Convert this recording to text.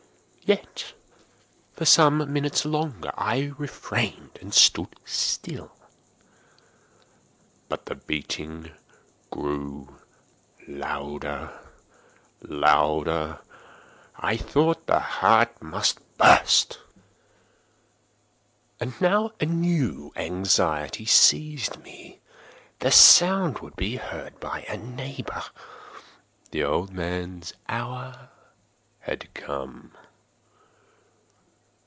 Yet, for some minutes longer I refrained and stood still. But the beating grew louder, louder! I thought the heart must burst. And now a new anxiety seized me—the sound would be heard by a neighbour! The old man's hour had come!